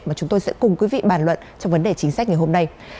mà chúng tôi sẽ cùng quý vị bàn luận trong vấn đề chính sách ngày hôm nay